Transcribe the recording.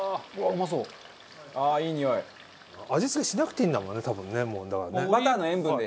味付けしなくていいんだもんね多分ねもうだからね。